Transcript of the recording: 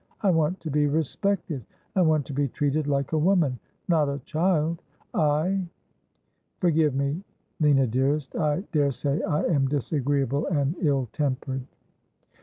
' I want to be respected. I want to be treated like a woman, not a child. I Forgive me, Lina dearest. I daresay I am disagreeable and ill tempered.'